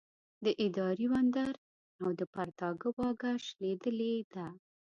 د اداري وندر او د پرتاګه واګه شلېدلې ده.